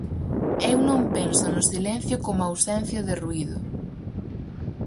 Eu non penso no silencio como ausencia de ruído: